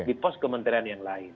di pos kementerian yang lain